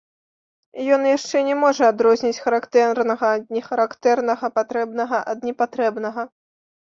Ён яшчэ не можа адрозніць характэрнага ад нехарактэрнага, патрэбнага ад непатрэбнага.